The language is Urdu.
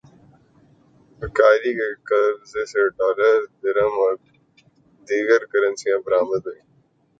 بھکاری کے قبضے سے ڈالرز، درہم اور دیگر کرنسیاں برآمد ہوئیں